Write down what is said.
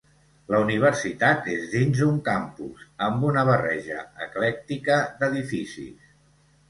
La universitat és dins d'un campus, amb una barreja eclèctica d'edificis.